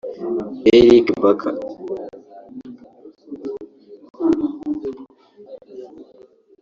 Eric Baker